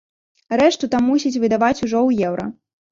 Рэшту там мусяць выдаваць ужо ў еўра.